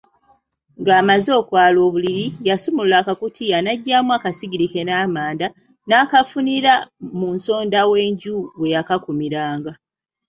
Ng’amaze okwala obuliri, yasumulula akakutiya n’aggyamu akasigiri ke n’amanda, n’akafunira mu nsonda w’enju we yakakuumiranga.